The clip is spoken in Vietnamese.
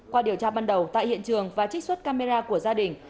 qua điều tra ban đầu tại hiện trường và trích xuất camera của gia đình